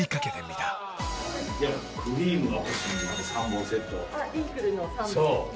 そう。